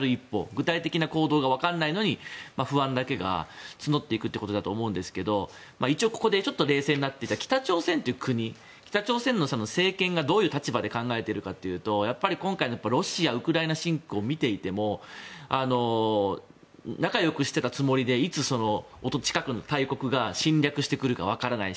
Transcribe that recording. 具体的な行動がわからないのに不安だけが募っていくということだと思うんですが一応、ここで冷静になって北朝鮮という国北朝鮮の政権がどういう立場で考えているかというとやっぱり今回のロシア、ウクライナ侵攻を見ていても仲よくしてたつもりでいつ近くの大国が侵略してくるかわからない。